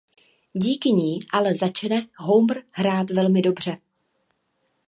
Díky ní ale začne Homer hrát velmi dobře.